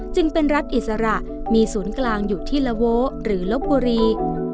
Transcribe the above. จึงเป็นรัฐอิสระมีศูนย์กลางอยู่ที่ละโวหรือลบบุรี